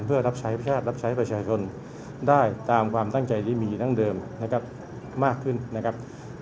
เพื่อรับใช้แพทย์รับใช้ประชาชนได้ตามความตั้งใจที่มีดั้งเดิมนะครับมากขึ้นนะครับ